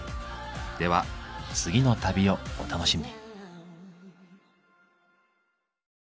では次の旅をお楽しみに。